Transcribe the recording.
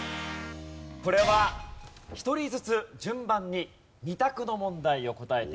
これは１人ずつ順番に２択の問題を答えていって頂きます。